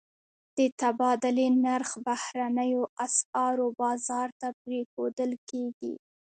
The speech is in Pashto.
د تبادلې نرخ بهرنیو اسعارو بازار ته پرېښودل کېږي.